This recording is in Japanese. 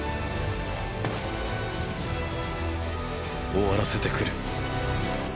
終わらせてくる。